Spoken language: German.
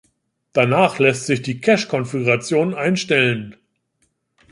Danach lässt sich die Cache-Konfiguration einstellen.